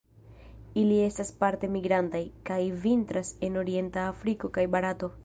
Ili estas parte migrantaj, kaj vintras en orienta Afriko kaj Barato.